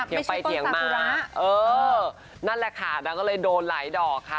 ไปเถียงมาเออนั่นแหละค่ะนางก็เลยโดนหลายดอกค่ะ